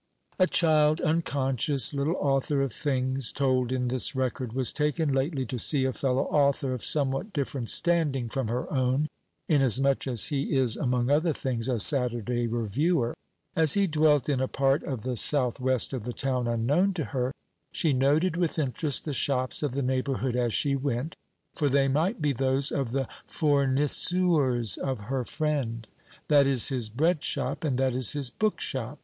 A child, unconscious little author of things told in this record, was taken lately to see a fellow author of somewhat different standing from her own, inasmuch as he is, among other things, a Saturday Reviewer. As he dwelt in a part of the South west of the town unknown to her, she noted with interest the shops of the neighbourhood as she went, for they might be those of the fournisseurs of her friend. "That is his bread shop, and that is his book shop.